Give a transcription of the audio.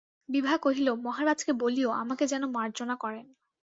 বিভা কহিল, মহারাজকে বলিয়ো, আমাকে যেন মার্জনা করেন।